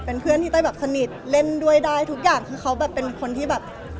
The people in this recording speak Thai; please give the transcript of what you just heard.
เป็นเพื่อนที่เต้ยแบบสนิทเล่นด้วยได้ทุกอย่างคือเขาแบบเป็นคนที่แบบ